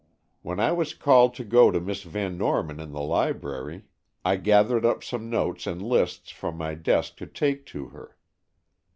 When I was called to go to Miss Van Norman in the library, I gathered up some notes and lists from my desk to take to her.